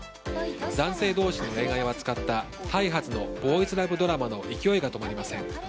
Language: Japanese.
男性同士の恋愛を扱ったタイ発のボーイズラブドラマの勢いが止まりません。